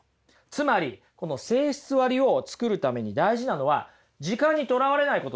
つまりこの性質割を作るために大事なのは時間に囚われないことですから。